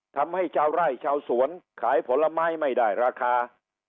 ทำให้ชาวไร่ชาวสวนขายผลไม้ไม่ได้ราคา